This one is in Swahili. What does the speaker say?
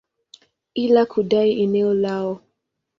ili kudai eneo lao.